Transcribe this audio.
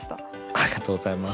ありがとうございます。